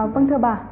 vâng thưa bà